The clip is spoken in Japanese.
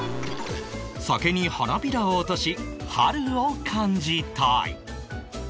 酒に花びらを落とし春を感じたい